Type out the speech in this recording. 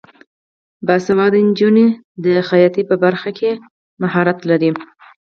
باسواده نجونې د خیاطۍ په برخه کې مهارت لري.